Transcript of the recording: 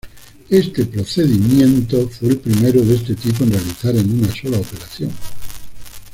Este procedimiento fue el primero de este tipo en realizarse en una sola operación.